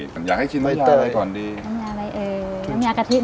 ล้มยาให้ชิม๑ฤทธิ์ีก่อนดี